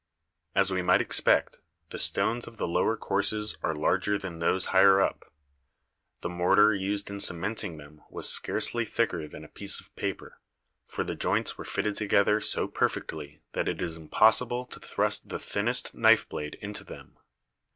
As we might expect, the stones of the lower courses are larger than those higher up. The mortar used in cementing them was scarcely thicker than a piece of paper, for the joints were fitted together so perfectly that it is impossible to thrust the thinnest knife blade into them.